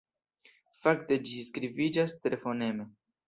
Fakte ĝi skribiĝas tre foneme.